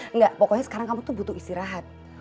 enggak pokoknya sekarang kamu tuh butuh istirahat